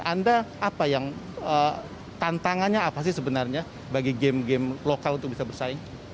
anda apa yang tantangannya apa sih sebenarnya bagi game game lokal untuk bisa bersaing